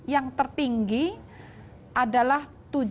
yang tertinggi adalah tujuh